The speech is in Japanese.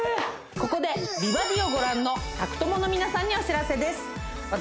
ここで「美バディ」をご覧の宅トモの皆さんにお知らせです私